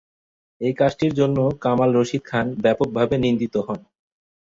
এই কাজটির জন্য কামাল রশিদ খান ব্যাপকভাবে নিন্দিত হন।